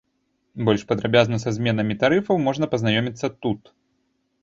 Больш падрабязна са зменамі тарыфаў можна пазнаёміцца тут.